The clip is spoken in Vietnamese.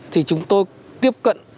thì chúng tôi tiếp cận